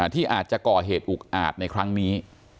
ที่อาจจะก่อเหตุอุกอาจในครั้งนี้